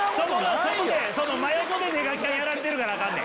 真横でネガキャンやられてるからアカンねん。